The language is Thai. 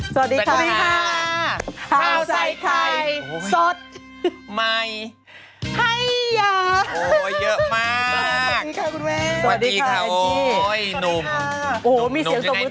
สวัสดีค่ะสวัสดีค่ะป้าใส่ไข่สดมี